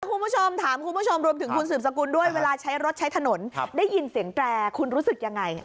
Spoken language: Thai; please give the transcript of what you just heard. คุณผู้ชมถามคุณผู้ชมรวมถึงคุณสืบสกุลด้วยเวลาใช้รถใช้ถนนได้ยินเสียงแตรคุณรู้สึกยังไง